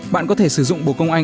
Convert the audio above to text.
bạn có thể sử dụng bồ công anh